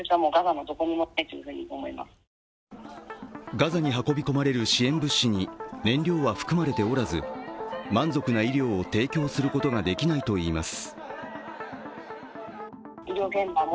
ガザに運び込まれる支援物資に燃料は含まれておらず満足な医療を提供することができないといいます。